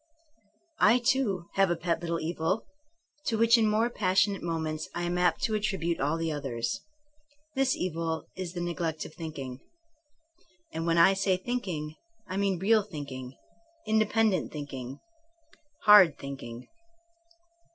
2 THINKINO AS A SCIENCE I, too, have a pet little evil, to which in more passionate moments I am apt to attribute all the others. This evil is the neglect of thinking. And when I say thinking I mean real thinking, independent thinking, hard thinking.